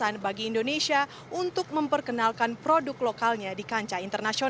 ini adalah satu dari sepuluh perusahaan yang akan diperoleh oleh cml cgm otelo